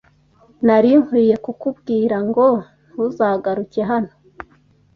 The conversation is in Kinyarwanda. Nari nkwiye kukubwira ngo ntuzagaruke hano.